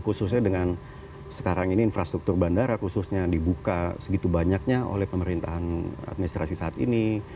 khususnya dengan sekarang ini infrastruktur bandara khususnya dibuka segitu banyaknya oleh pemerintahan administrasi saat ini